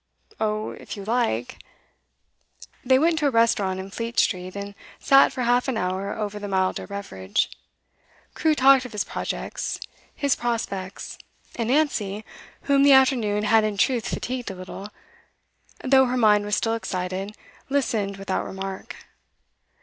'Oh if you like ' They went to a restaurant in Fleet Street, and sat for half an hour over the milder beverage. Crewe talked of his projects, his prospects; and Nancy, whom the afternoon had in truth fatigued a little, though her mind was still excited, listened without remark.